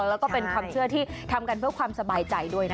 แล้วก็เป็นความเชื่อที่ทำกันเพื่อความสบายใจด้วยนะคะ